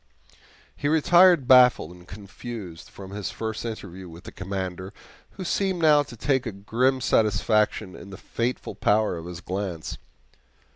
He retired baffled and confused from his first interview with the Commander, who seemed now to take a grim satisfaction in the fateful power of his glance.